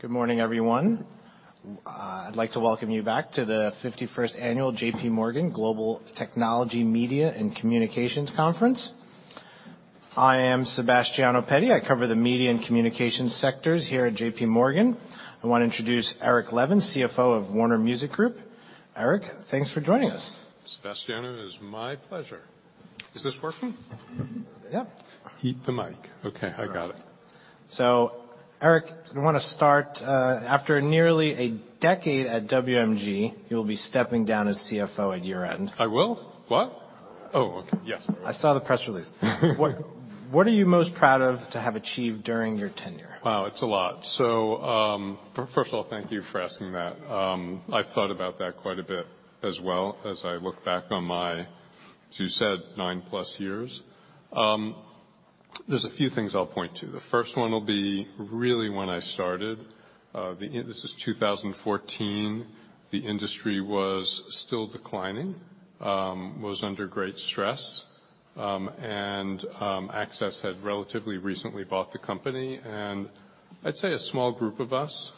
Good morning, everyone. I'd like to welcome you back to the 51st Annual J.P. Morgan Global Technology Media and Communications Conference. I am Sebastiano Petti. I cover the media and communications sectors here at J.P. Morgan. I want to introduce Eric Levin, CFO of Warner Music Group. Eric, thanks for joining us. Sebastiano, it is my pleasure. Is this working? Yep. Hit the mic. Okay, I got it. Eric, I wanna start, after nearly a decade at WMG, you'll be stepping down as CFO at year-end. I will? What? Oh, okay. Yes. I saw the press release. What are you most proud of to have achieved during your tenure? Wow, it's a lot. First of all, thank you for asking that. I've thought about that quite a bit as well as I look back on my, as you said, 9+ years. There's a few things I'll point to. The first one will be really when I started, this is 2014. The industry was still declining, was under great stress. Access had relatively recently bought the company. I'd say a small group of us,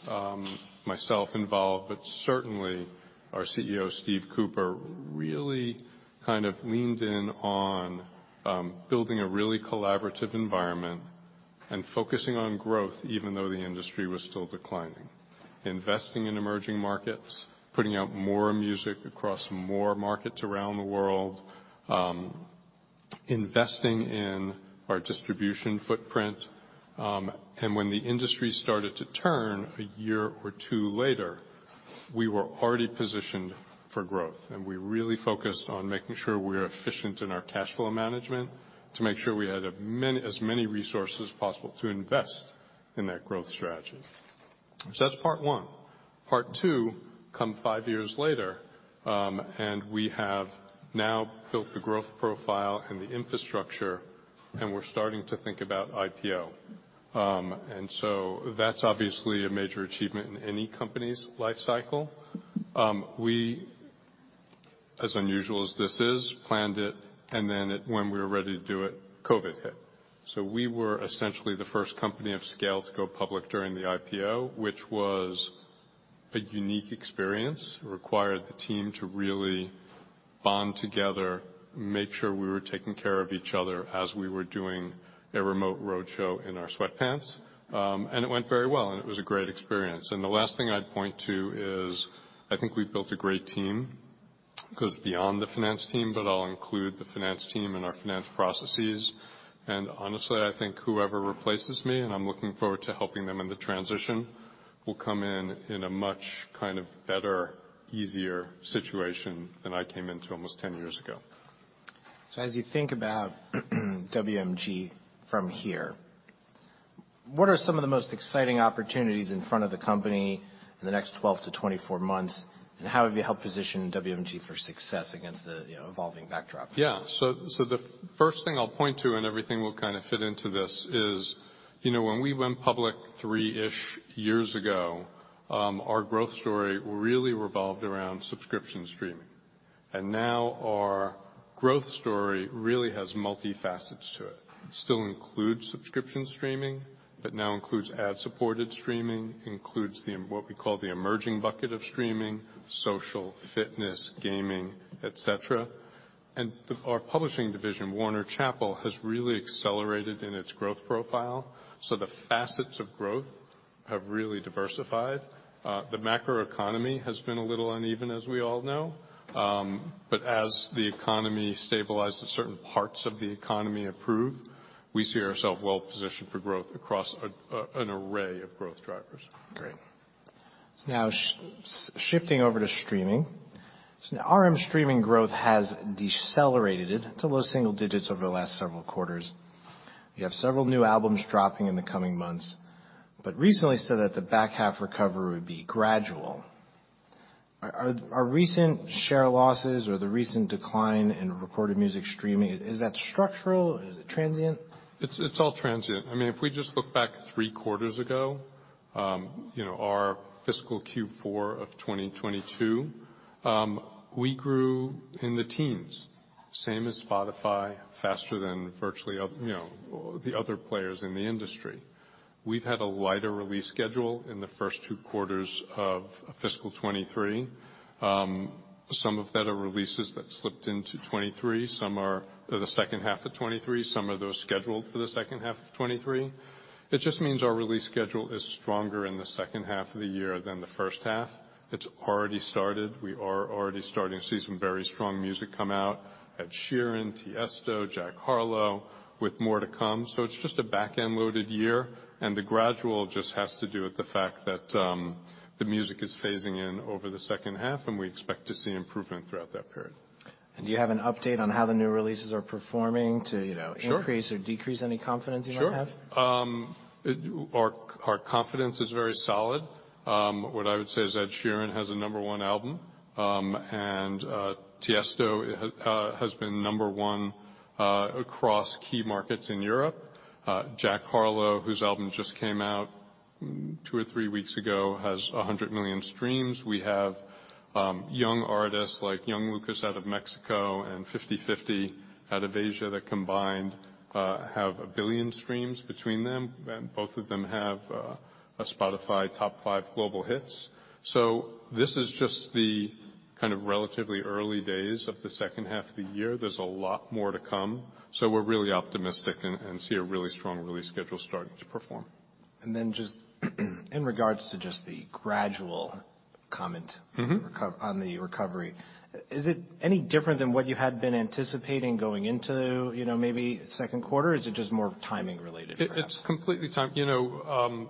myself involved, but certainly our CEO, Steve Cooper, really kind of leaned in on building a really collaborative environment and focusing on growth even though the industry was still declining. Investing in emerging markets, putting out more music across more markets around the world, investing in our distribution footprint. When the industry started to turn a year or two later, we were already positioned for growth. We really focused on making sure we were efficient in our cash flow management to make sure we had as many resources as possible to invest in that growth strategy. That's part one. Part two, come five years later, we have now built the growth profile and the infrastructure, and we're starting to think about IPO. That's obviously a major achievement in any company's life cycle. We, as unusual as this is, planned it, when we were ready to do it, COVID hit. We were essentially the first company of scale to go public during the IPO, which was a unique experience. It required the team to really bond together, make sure we were taking care of each other as we were doing a remote roadshow in our sweatpants. It went very well, and it was a great experience. The last thing I'd point to is, I think we've built a great team. It goes beyond the finance team, but I'll include the finance team and our finance processes. Honestly, I think whoever replaces me, and I'm looking forward to helping them in the transition, will come in in a much kind of better, easier situation than I came into almost 10 years ago. As you think about WMG from here, what are some of the most exciting opportunities in front of the company in the next 12-24 months, and how have you helped position WMG for success against the, you know, evolving backdrop? The first thing I'll point to, and everything will kinda fit into this, is, you know, when we went public 3-ish years ago, our growth story really revolved around subscription streaming. Now our growth story really has multi facets to it. Still includes subscription streaming, but now includes ad-supported streaming, includes what we call the emerging bucket of streaming, social, fitness, gaming, et cetera. Our publishing division, Warner Chappell, has really accelerated in its growth profile. The facets of growth have really diversified. The macroeconomy has been a little uneven, as we all know. As the economy stabilizes, certain parts of the economy improve, we see ourself well positioned for growth across an array of growth drivers. Great. Now shifting over to streaming. Now RM streaming growth has decelerated to low single digits over the last several quarters. You have several new albums dropping in the coming months, but recently said that the back half recovery would be gradual. Are recent share losses or the recent decline in recorded music streaming, is that structural? Is it transient? It's all transient. I mean, if we just look back three quarters ago, you know, our fiscal Q4 of 2022, we grew in the teens. Same as Spotify, faster than virtually other, you know, the other players in the industry. We've had a lighter release schedule in the first two quarters of fiscal 2023. Some of that are releases that slipped into 2023. Some are the second half of 2023. Some of those scheduled for the second half of 2023. It just means our release schedule is stronger in the second half of the year than the first half. It's already started. We are already starting to see some very strong music come out. Ed Sheeran, Tiesto, Jack Harlow, with more to come. It's just a back-end loaded year, and the gradual just has to do with the fact that the music is phasing in over the second half, and we expect to see improvement throughout that period. Do you have an update on how the new releases are performing to, you know? Sure. Increase or decrease any confidence you might have— Sure. Our confidence is very solid. What I would say is Ed Sheeran has a Number 1 album, and Tiesto has been number one across key markets in Europe. Jack Harlow, whose album just came out two or three weeks ago, has $100 million streams. We have young artists like Young Miko out of Mexico and FIFTY FIFTY out of Asia that combined have $1 billion streams between them. Both of them have a Spotify top five global hits. This is just the kind of relatively early days of the second half of the year. There's a lot more to come. We're really optimistic and see a really strong release schedule starting to perform. Just in regards to just the gradual comment on the recovery, is it any different than what you had been anticipating going into, you know, maybe second quarter, or is it just more timing related perhaps? It's completely time. You know,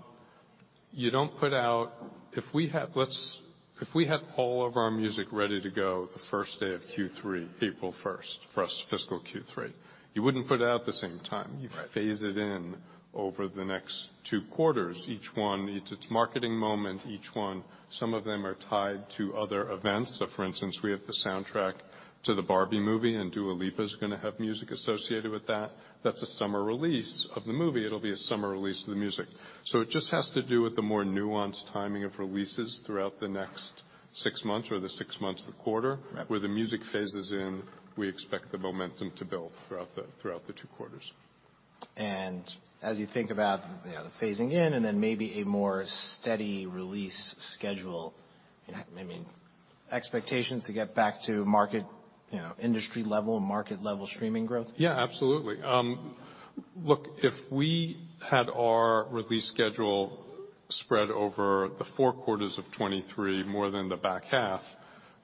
if we had all of our music ready to go the first day of Q3, April first, for us, fiscal Q3, you wouldn't put it out at the same time. Right. You phase it in over the next two quarters, each one, it's a marketing moment, each one. Some of them are tied to other events. For instance, we have the soundtrack to the Barbie movie, and Dua Lipa is gonna have music associated with that. That's a summer release of the movie. It'll be a summer release of the music. It just has to do with the more nuanced timing of releases throughout the next six months or the six months. Right. Where the music phases in, we expect the momentum to build throughout the two quarters. As you think about, you know, the phasing in and then maybe a more steady release schedule, I mean, expectations to get back to market, you know, industry level, market level streaming growth? Yeah, absolutely. Look, if we had our release schedule spread over the four quarters of 2023, more than the back half,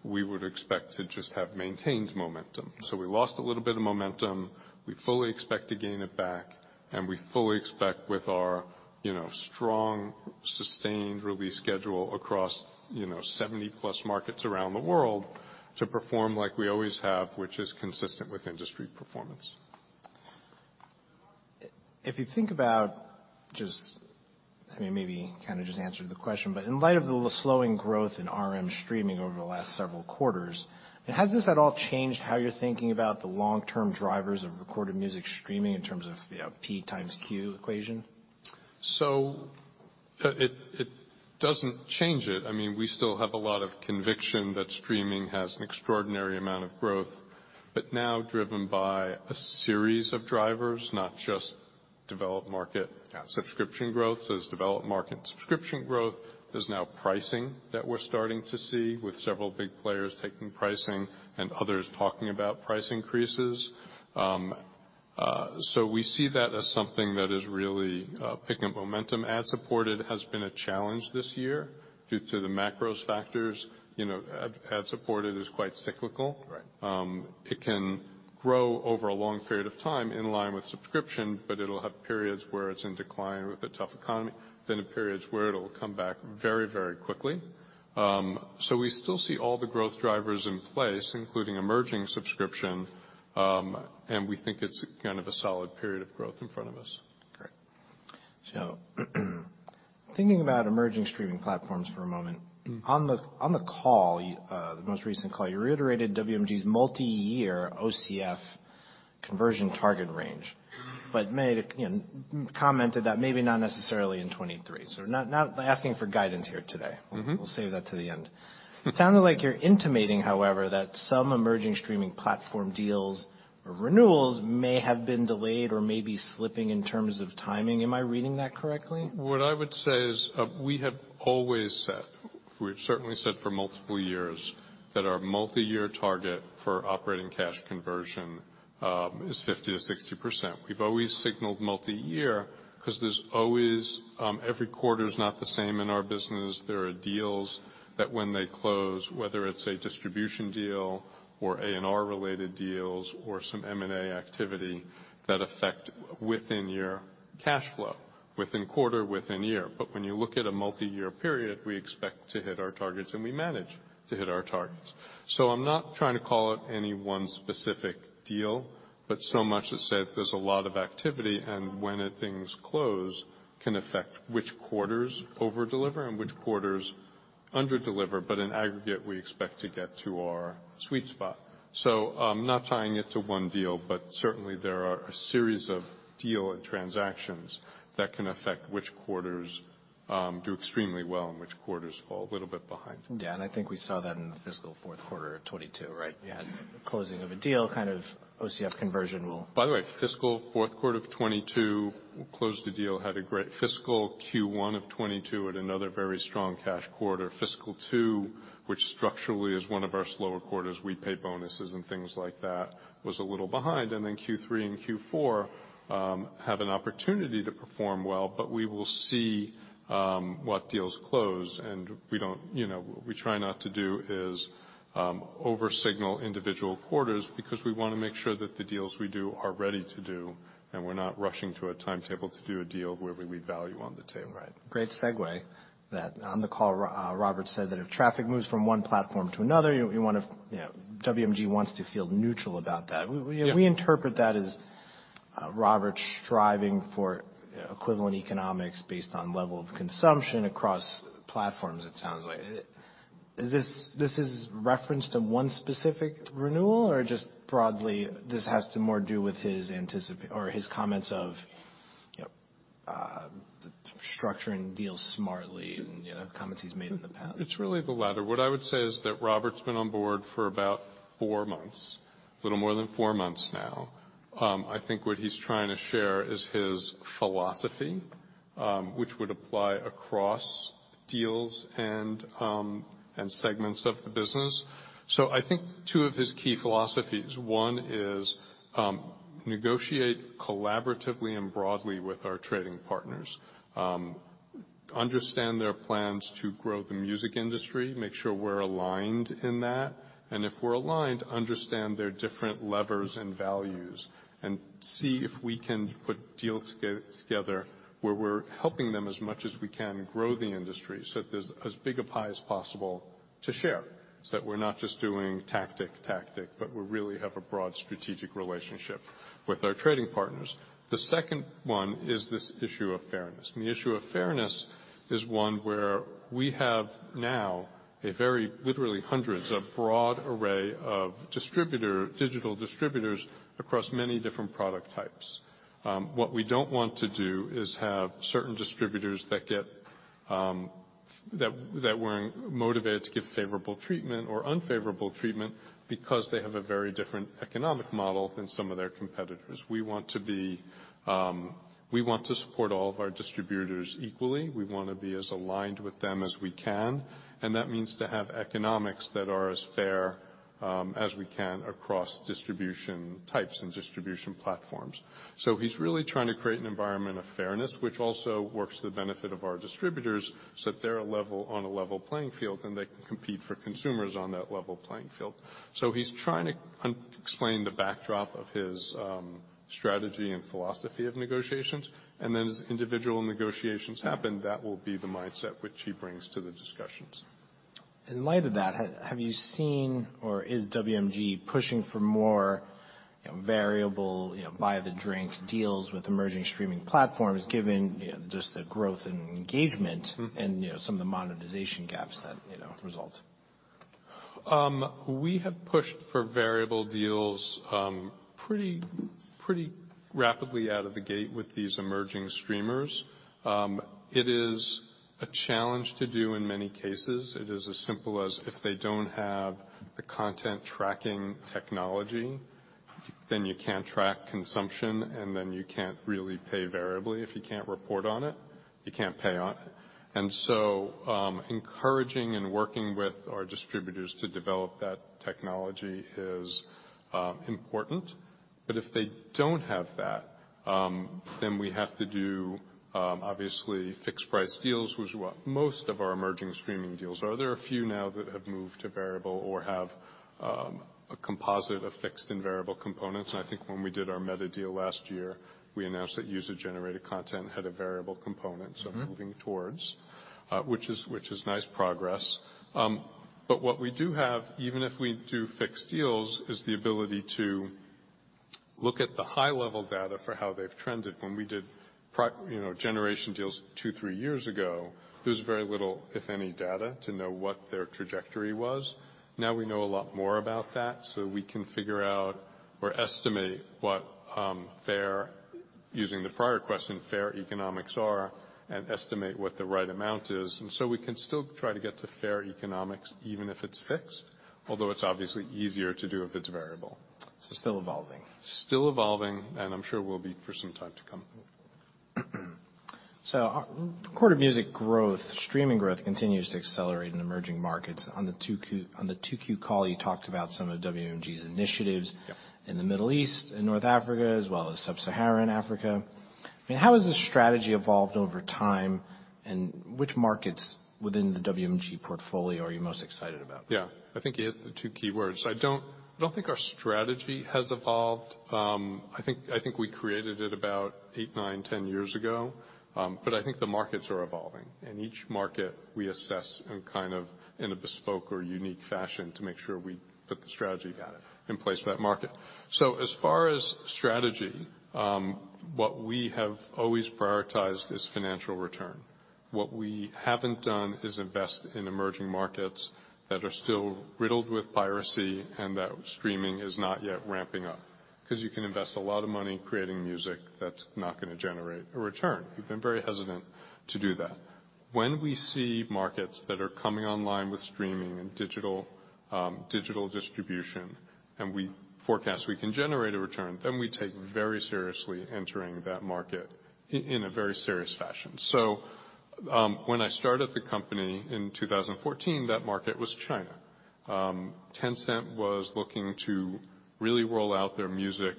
we would expect to just have maintained momentum. We lost a little bit of momentum. We fully expect to gain it back, and we fully expect with our, you know, strong, sustained release schedule across, you know, 70-plus markets around the world, to perform like we always have, which is consistent with industry performance. If you think about just, I mean, maybe you kinda just answered the question, but in light of the slowing growth in RM streaming over the last several quarters, has this at all changed how you're thinking about the long-term drivers of recorded music streaming in terms of, you know, P x Q equation? It doesn't change it. I mean, we still have a lot of conviction that streaming has an extraordinary amount of growth, but now driven by a series of drivers, not just developed market subscription growth. It's developed market subscription growth. There's now pricing that we're starting to see with several big players taking pricing and others talking about price increases. We see that as something that is really picking up momentum. Ad-supported has been a challenge this year due to the macro factors. You know, ad-supported is quite cyclical. Right. It can grow over a long period of time in line with subscription, but it'll have periods where it's in decline with a tough economy, then in periods where it'll come back very, very quickly. We still see all the growth drivers in place, including emerging subscription, and we think it's kind of a solid period of growth in front of us. Great. Thinking about emerging streaming platforms for a moment on the call, the most recent call, you reiterated WMG's multi-year OCF conversion target range, but made it, you know, commented that maybe not necessarily in 2023. Not asking for guidance here today. We'll save that to the end it sounded like you're intimating, however, that some emerging streaming platform deals renewals may have been delayed or may be slipping in terms of timing. Am I reading that correctly? What I would say is, we have always said, we've certainly said for multiple years, that our multi-year target for operating cash conversion, is 50%-60%. We've always signaled multi-year 'cause there's always, every quarter is not the same in our business. There are deals that when they close, whether it's a distribution deal or A&R related deals or some M&A activity that affect within your cash flow, within quarter, within year. When you look at a multi-year period, we expect to hit our targets, and we manage to hit our targets. I'm not trying to call out any one specific deal, so much to say there's a lot of activity, and when things close can affect which quarters over-deliver and which quarters under-deliver. In aggregate, we expect to get to our sweet spot. Not tying it to one deal, but certainly, there are a series of deal and transactions that can affect which quarters do extremely well and which quarters fall a little bit behind. Yeah, I think we saw that in the fiscal fourth quarter of 2022, right? You had closing of a deal, kind of OCF conversion. By the way, fiscal fourth quarter of 2022, we closed the deal, had a great fiscal Q1 of 2022 at another very strong cash quarter. Fiscal two, which structurally is one of our slower quarters, we pay bonuses and things like that, was a little behind. Q3 and Q4 have an opportunity to perform well, but we will see what deals close. We don't, you know, we try not to do is over-signal individual quarters because we wanna make sure that the deals we do are ready to do and we're not rushing to a timetable to do a deal where we leave value on the table. Right. Great segue. That on the call, Robert said that if traffic moves from one platform to another, you wanna, you know, WMG wants to feel neutral about that. We— Yeah. We interpret that as Robert striving for equivalent economics based on level of consumption across platforms, it sounds like. Is this is referenced to one specific renewal, or just broadly, this has to more do with his comments of, you know, structuring deals smartly and, you know, comments he's made in the past? It's really the latter. What I would say is that Robert's been on board for about four months, a little more than four months now. I think what he's trying to share is his philosophy, which would apply across deals and segments of the business. I think two of his key philosophies, one is negotiate collaboratively and broadly with our trading partners. Understand their plans to grow the music industry, make sure we're aligned in that, and if we're aligned, understand their different levers and values and see if we can put deals together where we're helping them as much as we can grow the industry so that there's as big a pie as possible to share, so that we're not just doing tactic, but we really have a broad strategic relationship with our trading partners. The second one is this issue of fairness. The issue of fairness is one where we have now a very literally hundreds of broad array of digital distributors across many different product types. What we don't want to do is have certain distributors that get that weren't motivated to give favorable treatment or unfavorable treatment because they have a very different economic model than some of their competitors. We want to be, we want to support all of our distributors equally. We wanna be as aligned with them as we can, and that means to have economics that are as fair as we can across distribution types and distribution platforms. He's really trying to create an environment of fairness, which also works to the benefit of our distributors, so they're on a level playing field, and they can compete for consumers on that level playing field. He's trying to explain the backdrop of his strategy and philosophy of negotiations. As individual negotiations happen, that will be the mindset which he brings to the discussions. In light of that, have you seen, or is WMG pushing for more variable, you know, by the drink deals with emerging streaming platforms, given, you know, just the growth and engagement, you know, some of the monetization gaps that, you know, result? We have pushed for variable deals, pretty rapidly out of the gate with these emerging streamers. It is a challenge to do in many cases. It is as simple as if they don't have the content tracking technology, then you can't track consumption, and then you can't really pay variably. If you can't report on it, you can't pay on it. Encouraging and working with our distributors to develop that technology is important. If they don't have that, then we have to do, obviously fixed-price deals, which is what most of our emerging streaming deals are. There are a few now that have moved to variable or have a composite of fixed and variable components. I think when we did our Meta deal last year, we announced that user-generated content had a variable component moving towards, which is nice progress. What we do have, even if we do fixed deals, is the ability to look at the high level data for how they've trended. When we did you know, generation deals two, three years ago, there was very little, if any, data to know what their trajectory was. Now we know a lot more about that, so we can figure out or estimate what, fair, using the prior question, fair economics are, and estimate what the right amount is. We can still try to get to fair economics, even if it's fixed, although it's obviously easier to do if it's variable. Still evolving. Still evolving and I'm sure will be for some time to come. Recorded music growth, streaming growth continues to accelerate in emerging markets. On the 2Q call, you talked about some of WMG's initiatives. Yeah. in the Middle East and North Africa, as well as Sub-Saharan Africa. I mean, how has this strategy evolved over time, and which markets within the WMG portfolio are you most excited about? Yeah. I think you hit the two keywords. I don't think our strategy has evolved. I think we created it about 8, 9, 10 years ago. I think the markets are evolving. In each market we assess in kind of in a bespoke or unique fashion to make sure we put the strategy— Got it. In place for that market. As far as strategy, what we have always prioritized is financial return. What we haven't done is invest in emerging markets that are still riddled with piracy and that streaming is not yet ramping up, 'cause you can invest a lot of money in creating music that's not gonna generate a return. We've been very hesitant to do that. When we see markets that are coming online with streaming and digital distribution, and we forecast we can generate a return, then we take very seriously entering that market in a very serious fashion. When I started the company in 2014, that market was China. Tencent was looking to really roll out their music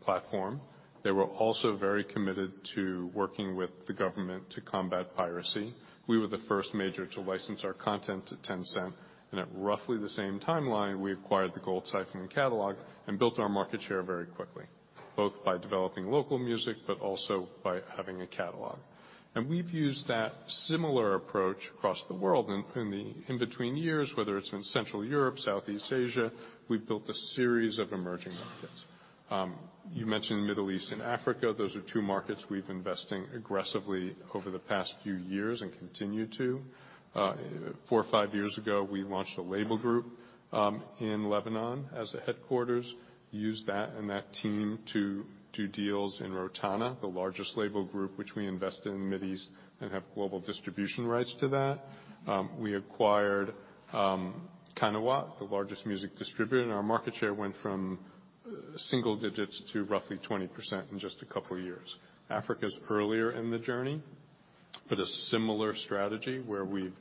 platform. They were also very committed to working with the government to combat piracy. We were the first major to license our content to Tencent, at roughly the same timeline, we acquired the Gold Typhoon catalog and built our market share very quickly, both by developing local music, but also by having a catalog. We've used that similar approach across the world in the in-between years, whether it's in Central Europe, Southeast Asia, we've built a series of emerging markets. You mentioned Middle East and Africa. Those are two markets we've investing aggressively over the past few years and continue to four, five years ago, we launched a label group in Lebanon as a headquarters, used that and that team to do deals in Rotana, the largest label group, which we invest in the Middle East and have global distribution rights to that. We acquired Qanawat, the largest music distributor, and our market share went from single digits to roughly 20% in just a couple of years. Africa's earlier in the journey. A similar strategy where we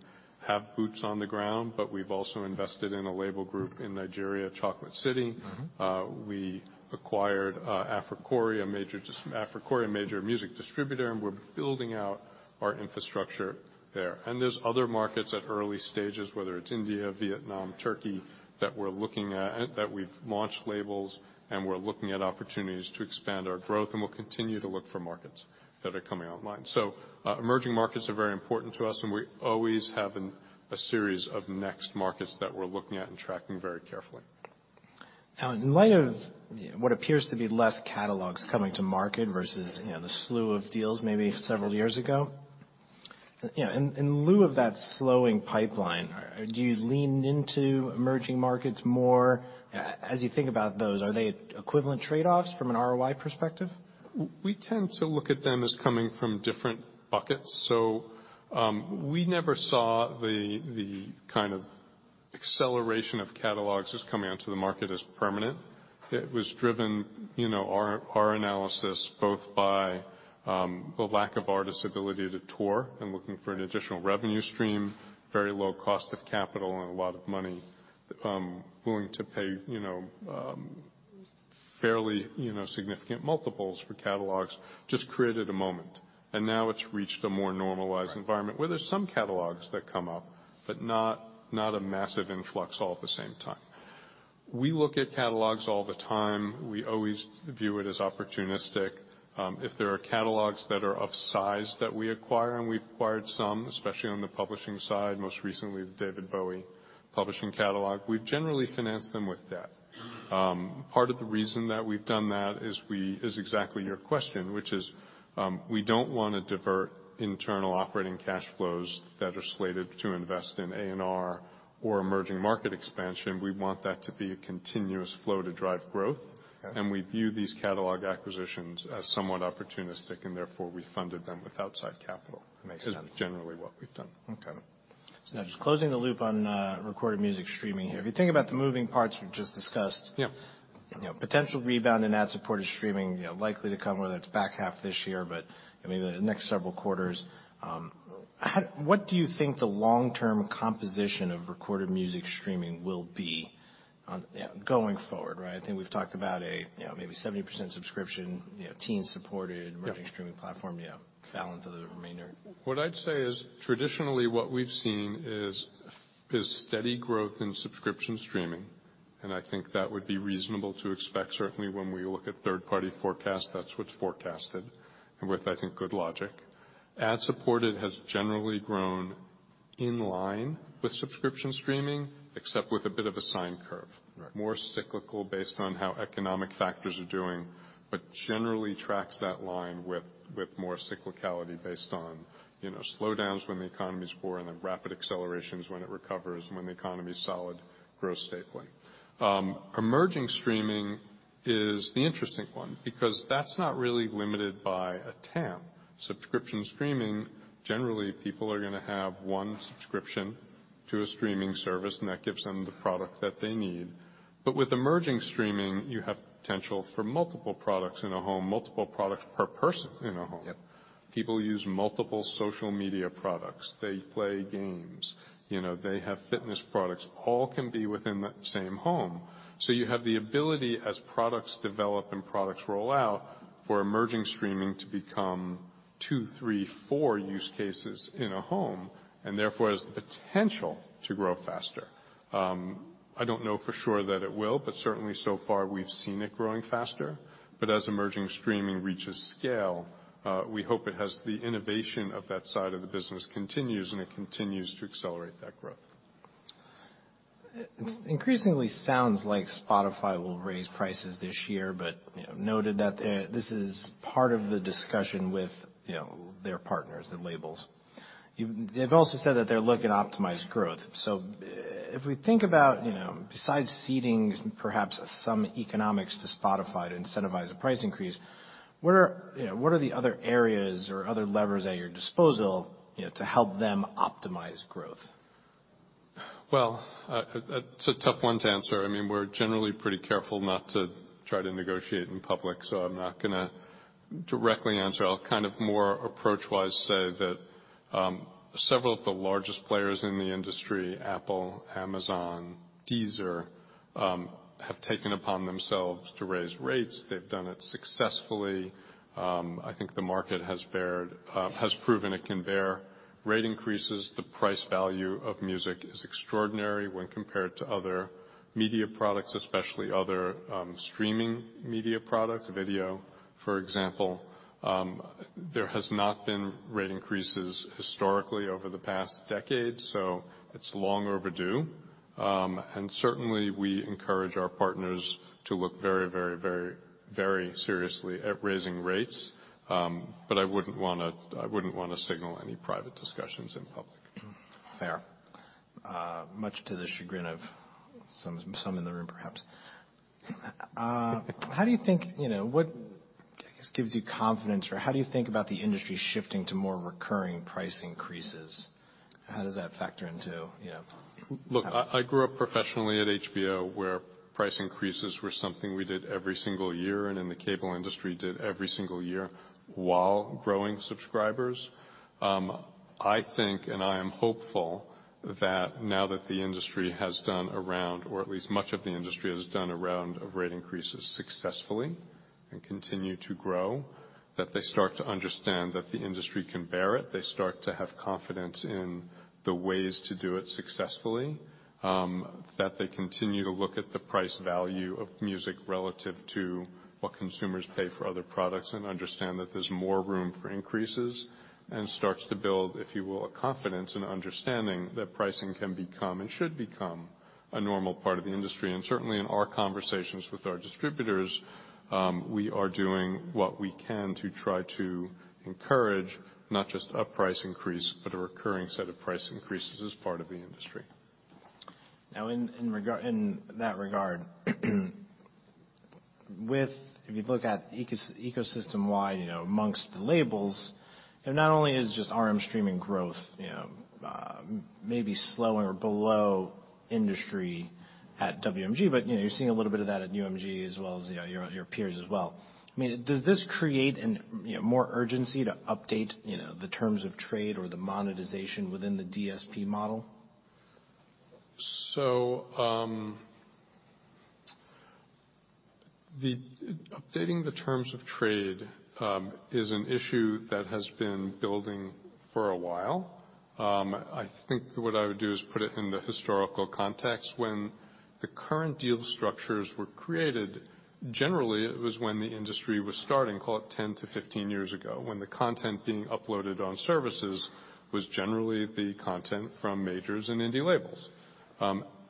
have boots on the ground, but we've also invested in a label group in Nigeria, Chocolate City. We acquired Africori, a major music distributor, and we're building out our infrastructure there. There's other markets at early stages, whether it's India, Vietnam, Turkey, that we're looking at, that we've launched labels and we're looking at opportunities to expand our growth, and we'll continue to look for markets that are coming online. Emerging markets are very important to us, and we always have a series of next markets that we're looking at and tracking very carefully. In light of what appears to be less catalogs coming to market versus, you know, the slew of deals maybe several years ago, you know, in lieu of that slowing pipeline, do you lean into emerging markets more? As you think about those, are they equivalent trade-offs from an ROI perspective? We tend to look at them as coming from different buckets. We never saw the kind of acceleration of catalogs just coming onto the market as permanent. It was driven, you know, our analysis both by the lack of artists' ability to tour and looking for an additional revenue stream, very low cost of capital and a lot of money, willing to pay, you know, fairly, you know, significant multiples for catalogs, just created a moment. Now it's reached a more normalized environment where there's some catalogs that come up, but not a massive influx all at the same time. We look at catalogs all the time. We always view it as opportunistic. If there are catalogs that are of size that we acquire, and we've acquired some, especially on the publishing side, most recently the David Bowie publishing catalog, we've generally financed them with debt. Part of the reason that we've done that is exactly your question, which is, we don't wanna divert internal operating cash flows that are slated to invest in A&R or emerging market expansion. We want that to be a continuous flow to drive growth. Okay. We view these catalog acquisitions as somewhat opportunistic, and therefore, we funded them with outside capital. Makes sense. Is generally what we've done. Okay. Now just closing the loop on, recorded music streaming here. If you think about the moving parts we've just discussed. Yeah. You know, potential rebound in ad-supported streaming, you know, likely to come, whether it's back half this year, but maybe the next several quarters. What do you think the long-term composition of recorded music streaming will be on, going forward, right? I think we've talked about a, you know, maybe 70% subscription, you know— Yeah. Emerging streaming platform, you know, balance of the remainder. What I'd say is, traditionally what we've seen is steady growth in subscription streaming, and I think that would be reasonable to expect. Certainly, when we look at third-party forecasts, that's what's forecasted, and with, I think, good logic. Ad-supported has generally grown in line with subscription streaming, except with a bit of a sine curve. Right. More cyclical based on how economic factors are doing, generally tracks that line with more cyclicality based on, you know, slowdowns when the economy is poor and then rapid accelerations when it recovers and when the economy is solid, grows stably. Emerging streaming is the interesting one because that's not really limited by a TAM. Subscription streaming, generally, people are gonna have one subscription to a streaming service, and that gives them the product that they need. With emerging streaming, you have potential for multiple products in a home, multiple products per person in a home. Yep. People use multiple social media products. They play games. You know, they have fitness products. All can be within the same home. You have the ability as products develop and products roll out for emerging streaming to become two, three, four use cases in a home, and therefore, has the potential to grow faster. I don't know for sure that it will, but certainly so far, we've seen it growing faster. As emerging streaming reaches scale, we hope it has the innovation of that side of the business continues, and it continues to accelerate that growth. It increasingly sounds like Spotify will raise prices this year, but, you know, noted that this is part of the discussion with, you know, their partners, the labels. They've also said that they're looking to optimize growth. If we think about, you know, besides seeding perhaps some economics to Spotify to incentivize a price increase, what are the other areas or other levers at your disposal, you know, to help them optimize growth? That's a tough one to answer. I mean, we're generally pretty careful not to try to negotiate in public, so I'm not gonna directly answer. I'll kind of more approach-wise say that several of the largest players in the industry, Apple, Amazon, Deezer, have taken upon themselves to raise rates. They've done it successfully. I think the market has beared, has proven it can bear rate increases. The price value of music is extraordinary when compared to other media products, especially other streaming media products, video, for example. There has not been rate increases historically over the past decade, so it's long overdue. Certainly, we encourage our partners to look very, very, very, very seriously at raising rates. I wouldn't wanna signal any private discussions in public. Fair. Much to the chagrin of some in the room, perhaps. How do you think, you know, what, I guess, gives you confidence, or how do you think about the industry shifting to more recurring price increases? How does that factor into, you know, Look, I grew up professionally at HBO, where price increases were something we did every single year, the cable industry did every single year while growing subscribers. I think, and I am hopeful, that now that the industry has done around, or at least much of the industry has done a round of rate increases successfully and continue to grow, that they start to understand that the industry can bear it. They start to have confidence in the ways to do it successfully, that they continue to look at the price value of music relative to what consumers pay for other products and understand that there's more room for increases and starts to build, if you will, a confidence and understanding that pricing can become and should become a normal part of the industry. Certainly, in our conversations with our distributors, we are doing what we can to try to encourage not just a price increase, but a recurring set of price increases as part of the industry. In regard, if you look at ecosystem-wide, you know, amongst the labels, not only is just RM streaming growth, you know, maybe slower below industry at WMG, you know, you're seeing a little bit of that at UMG as well as, you know, your peers as well. I mean, does this create more urgency to update, you know, the terms of trade or the monetization within the DSP model? Updating the terms of trade is an issue that has been building for a while. I think what I would do is put it in the historical context. When the current deal structures were created, generally, it was when the industry was starting, call it 10-15 years ago, when the content being uploaded on services was generally the content from majors and indie labels.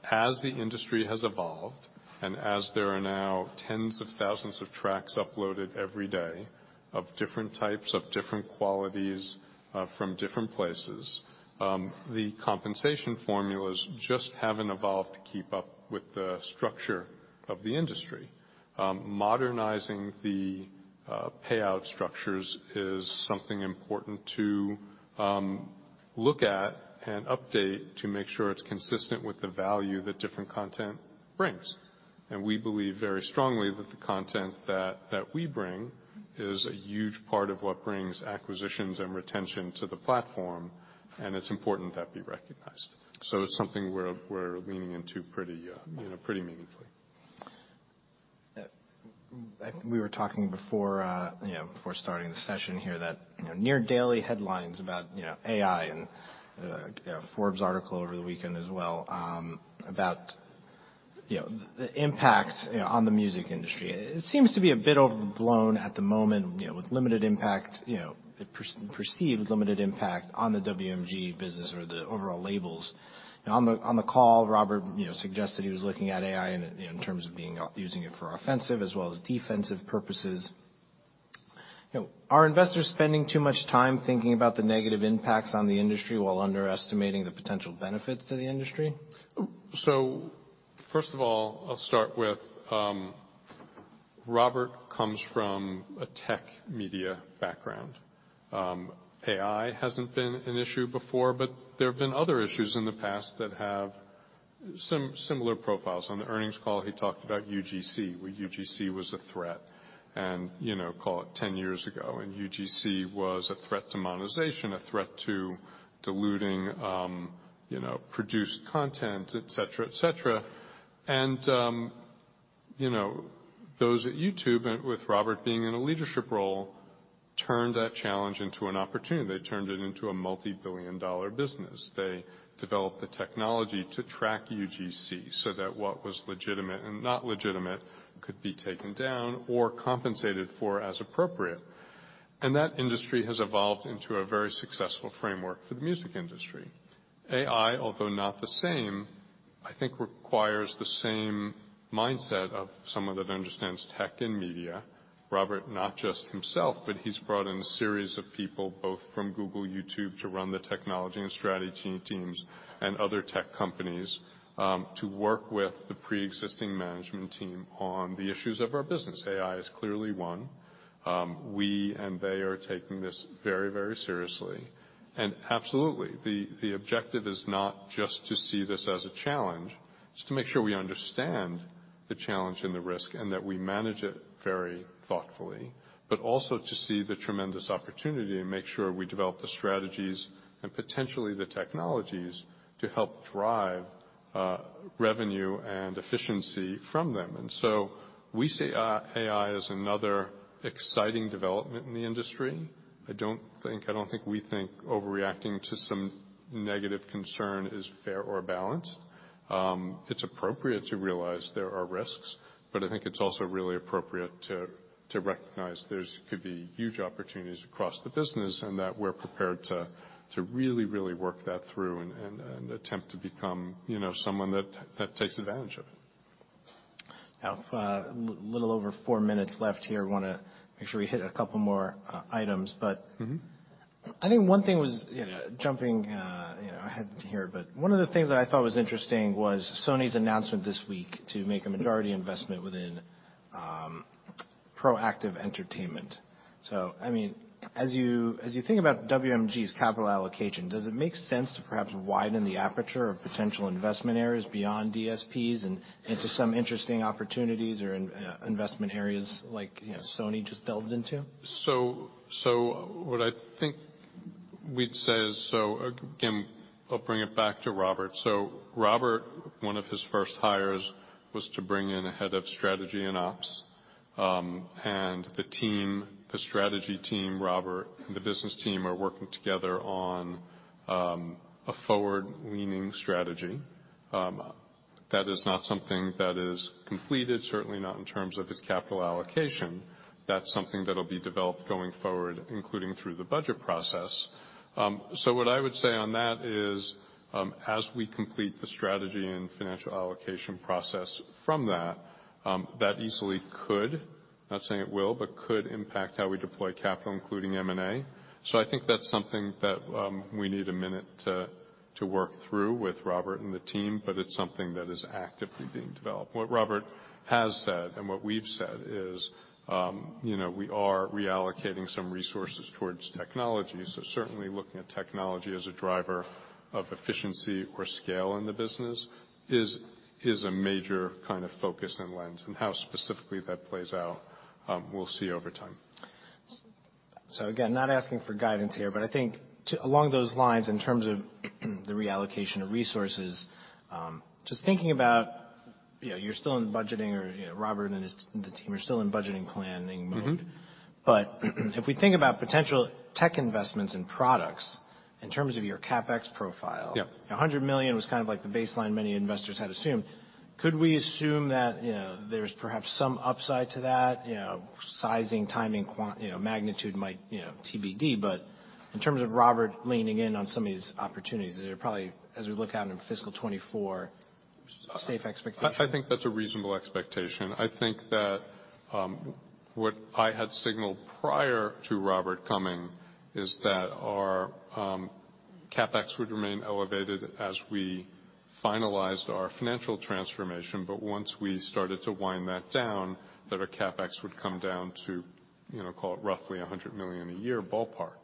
As the industry has evolved, and as there are now tens of thousands of tracks uploaded every day of different types, of different qualities, from different places, the compensation formulas just haven't evolved to keep up with the structure of the industry. Modernizing the payout structures is something important to look at and update to make sure it's consistent with the value that different content brings. We believe very strongly that the content that we bring is a huge part of what brings acquisitions and retention to the platform, and it's important that be recognized. It's something we're leaning into pretty, you know, pretty meaningfully. I think we were talking before, you know, before starting the session here, that, you know, near daily headlines about, you know, AI and, you know, Forbes article over the weekend as well, about, you know, the impact, you know, on the music industry. It seems to be a bit overblown at the moment, you know, with limited impact, you know, perceived limited impact on the WMG business or the overall labels. On the call, Robert, you know, suggested he was looking at AI in, you know, in terms of using it for offensive as well as defensive purposes. You know, are investors spending too much time thinking about the negative impacts on the industry while underestimating the potential benefits to the industry? First of all, I'll start with, Robert comes from a tech media background. AI hasn't been an issue before, but there have been other issues in the past that have similar profiles. On the earnings call, he talked about UGC, where UGC was a threat. You know, call it 10 years ago, and UGC was a threat to monetization, a threat to diluting, you know, produced content, et cetera, et cetera. You know, those at YouTube, and with Robert being in a leadership role, turned that challenge into an opportunity. They turned it into a multi-billion dollar business. They developed the technology to track UGC so that what was legitimate and not legitimate could be taken down or compensated for as appropriate. That industry has evolved into a very successful framework for the music industry. AI, although not the same, I think requires the same mindset of someone that understands tech and media. Robert, not just himself, but he's brought in a series of people, both from Google, YouTube, to run the technology and strategy teams and other tech companies, to work with the pre-existing management team on the issues of our business. AI is clearly one. We and they are taking this very, very seriously. Absolutely, the objective is not just to see this as a challenge, it's to make sure we understand the challenge and the risk, and that we manage it very thoughtfully, but also to see the tremendous opportunity and make sure we develop the strategies and potentially the technologies to help drive revenue and efficiency from them. So we see AI as another exciting development in the industry. I don't think we think overreacting to some negative concern is fair or balanced. It's appropriate to realize there are risks, I think it's also really appropriate to recognize there's could be huge opportunities across the business. That we're prepared to really work that through and attempt to become, you know, someone that takes advantage of it. Little over four minutes left here. Wanna make sure we hit a couple more items. I think one thing was, you know, jumping, you know, ahead here, but one of the things that I thought was interesting was Sony's announcement this week to make a majority investment within Proactiv Entertainment. I mean, as you think about WMG's capital allocation, does it make sense to perhaps widen the aperture of potential investment areas beyond DSPs and into some interesting opportunities or in, investment areas like, you know, Sony just delved into? What I think we'd say is. Again, I'll bring it back to Robert. Robert, one of his first hires was to bring in a head of strategy and ops, and the team, the strategy team, Robert, and the business team are working together on a forward-leaning strategy. That is not something that is completed, certainly not in terms of its capital allocation. That's something that'll be developed going forward, including through the budget process. What I would say on that is, as we complete the strategy and financial allocation process from that easily could, not saying it will, but could impact how we deploy capital, including M&A. I think that's something that we need a minute to work through with Robert and the team, but it's something that is actively being developed. What Robert has said, and what we've said is, you know, we are reallocating some resources towards technology. Certainly looking at technology as a driver of efficiency or scale in the business is a major kind of focus and lens and how specifically that plays out, we'll see over time. Again, not asking for guidance here, but I think along those lines, in terms of the reallocation of resources, just thinking about, you know, you're still in budgeting or, you know, Robert and the team are still in budgeting planning mode. If we think about potential tech investments in products in terms of your CapEx profile. Yep. $100 million was kind of like the baseline many investors had assumed. Could we assume that, you know, there's perhaps some upside to that, you know, sizing, timing, you know, magnitude might, you know, TBD, but in terms of Robert leaning in on some of these opportunities, they're probably, as we look out into fiscal 2024, safe expectation. I think that's a reasonable expectation. I think that what I had signaled prior to Robert coming is that our CapEx would remain elevated as we finalized our financial transformation, but once we started to wind that down, that our CapEx would come down to, you know, call it roughly $100 million a year ballpark.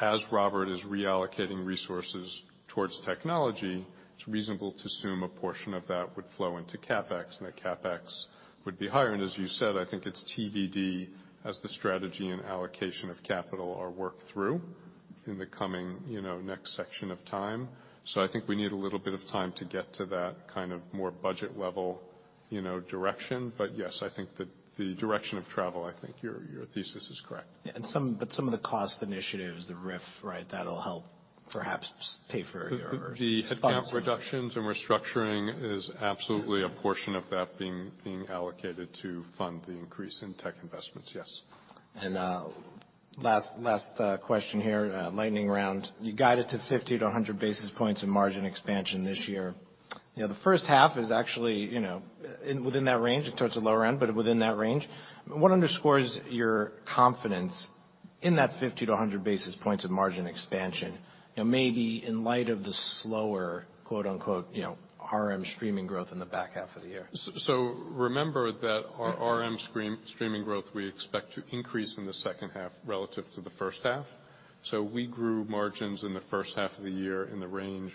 As Robert is reallocating resources towards technology, it's reasonable to assume a portion of that would flow into CapEx, and the CapEx would be higher. As you said, I think it's TBD as the strategy and allocation of capital are worked through in the coming, you know, next section of time. I think we need a little bit of time to get to that kind of more budget level, you know, direction. Yes, I think the direction of travel, I think your thesis is correct. Yeah. Some of the cost initiatives, the RIF, right, that'll help perhaps pay for your sponsors. The headcount reductions and restructuring is absolutely a portion of that being allocated to fund the increase in tech investments. Yes. Last question here, lightning round. You guided to 50 to 100 basis points in margin expansion this year. You know, the first half is actually, you know, in within that range, towards the lower end, but within that range. What underscores your confidence in that 50 to 100 basis points of margin expansion, you know, maybe in light of the slower, quote-unquote, you know, RM streaming growth in the back half of the year? Remember that our RM stream, streaming growth we expect to increase in the second half relative to the first half. We grew margins in the first half of the year in the range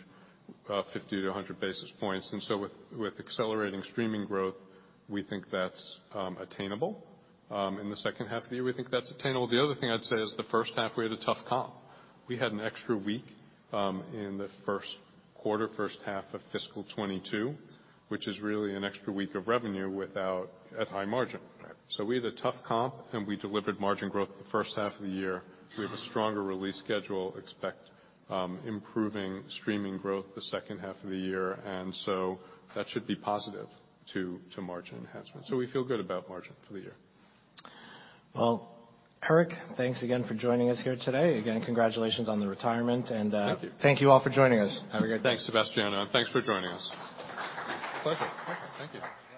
of 50 to 100 basis points. With accelerating streaming growth, we think that's attainable. In the second half of the year, we think that's attainable. The other thing I'd say is the first half, we had a tough comp. We had an extra week in the first quarter, first half of fiscal 2022, which is really an extra week of revenue without at high-margin. Right. We had a tough comp, and we delivered margin growth the first half of the year. We have a stronger release schedule, expect, improving streaming growth the second half of the year. That should be positive to margin enhancements. We feel good about margin for the year. Well, Eric, thanks again for joining us here today. Again, congratulations on the retirement and. Thank you. Thank you all for joining us. Have a great day. Thanks, Sebastiano. Thanks for joining us. Pleasure. Okay. Thank you.